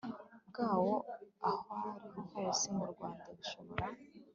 byawo ahoriho hose mu Rwanda Bishobora